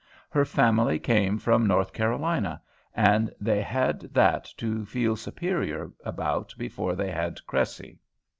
Her family came from North Carolina, and they had that to feel superior about before they had Cressy.